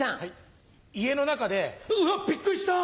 家の中で「うわっビックリした！」。